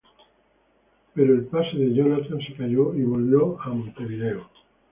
Pero el pase de Jonathan se cayó y volvió a Montevideo.